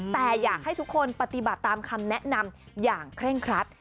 แต่อยากให้ทุกคนปฏิบัติตามคำแนะนำอย่างเคร่งครัด